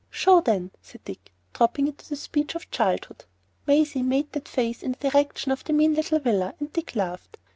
"Show, then," said Dick, dropping into the speech of childhood. Maisie made that face in the direction of the mean little villa, and Dick laughed.